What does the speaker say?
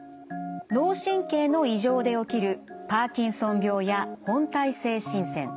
脳神経の異常で起きるパーキンソン病や本態性振戦。